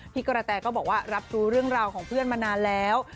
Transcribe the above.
กระแตก็บอกว่ารับรู้เรื่องราวของเพื่อนมานานแล้ว